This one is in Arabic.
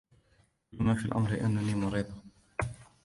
كل ما في الأمر أنني مريضة